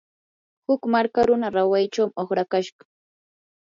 huk marka runa rahuchaw uqrakashqa.